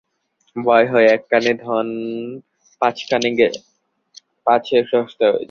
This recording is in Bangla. ভয় হয়, এক কানের ধন পাঁচ কানে পাছে সস্তা হয়ে যায়।